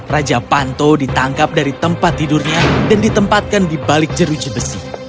raja panto ditangkap dari tempat tidurnya dan ditempatkan di balik jeruji besi